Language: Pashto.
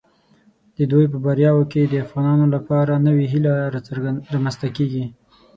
د دوی په بریاوو کې د افغانانو لپاره نوې هیله رامنځته کیږي.